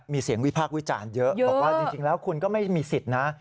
มีเสียงวิพากษ์วิจารณ์เยอะบอกว่าจริงแล้วคุณก็ไม่มีสิทธิ์นะ